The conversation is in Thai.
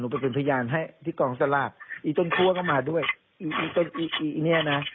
ไปเป็นพยานให้ที่กองสลากอีต้นคั่วก็มาด้วยอีอีต้นอีอีเนี้ยนะ